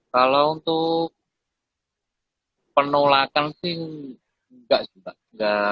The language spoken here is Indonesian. kalau untuk penolakan sih gak juga